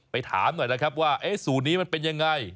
ถามหน่อยนะครับว่าสูตรนี้มันเป็นยังไง